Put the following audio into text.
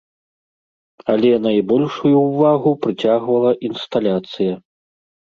Але найбольшую ўвагу прыцягвала інсталяцыя.